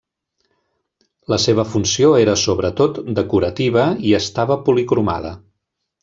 La seva funció era, sobretot, decorativa i estava policromada.